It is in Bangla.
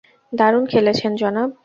দারুণ খেলেছেন, জনাব!